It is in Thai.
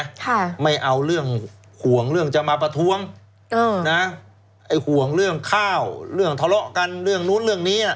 ค่ะไม่เอาเรื่องห่วงเรื่องจะมาประท้วงเออนะไอ้ห่วงเรื่องข้าวเรื่องทะเลาะกันเรื่องนู้นเรื่องนี้น่ะ